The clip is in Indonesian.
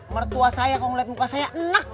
mertua saya kalau melihat muka saya enak